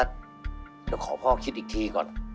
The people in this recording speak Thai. เดี๋ยวขอพ่อคิดอึยก็